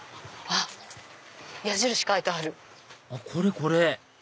あっこれこれ！